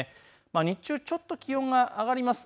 日中ちょっと気温が上がります。